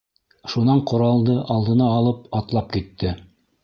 Шунан ҡоралды алдына алып атлап китте.